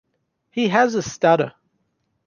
He has a stutter.